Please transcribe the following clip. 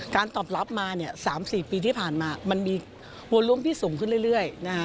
ตอบรับมา๓๔ปีที่ผ่านมามันมีมวลล้วงที่สูงขึ้นเรื่อย